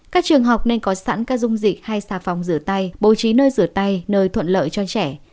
các trường học nên có sẵn các dung dịch hay xà phòng rửa tay bố trí nơi rửa tay nơi thuận lợi cho trẻ